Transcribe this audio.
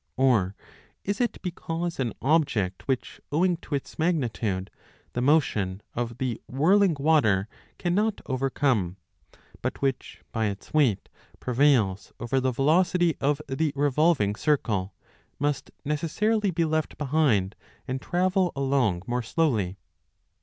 Or is it because an object which, owing to its magnitude, the motion of the whirling water 15 cannot overcome, but which by its weight prevails over the velocity of the revolving circle, must necessarily be left behind and travel along more slowly?